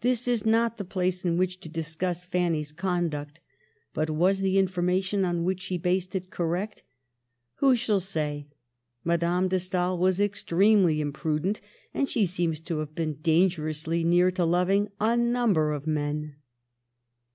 This is not the place in which to discuss Fanny's conduct ; but was the information on which she based it correct ? Who shall say ? Madame de Stael was extremely imprudent, and she seems to have been dangerously near to loving a num ber of men.